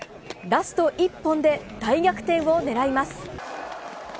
ラスト１本で大逆転を狙います。